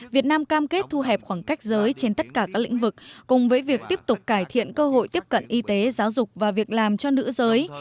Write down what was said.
việt nam cam kết thu hẹp khoảng cách giới trên tất cả các lĩnh vực cùng với việc tiếp tục cải thiện cơ hội tiếp cận y tế giáo dục và việc làm cho nữ giới